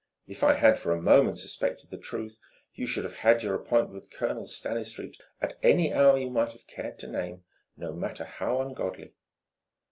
If I had for a moment suspected the truth you should have had your appointment with Colonel Stanistreet at any hour you might have cared to name, no matter how ungodly!"